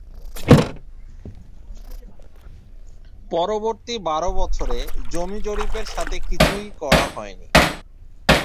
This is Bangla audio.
পরবর্তী বারো বছরে জমি জরিপের সাথে কিছুই করা হয়নি।